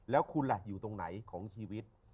แล้วคุณล่ะอยู่ตรงไหนของชีวิต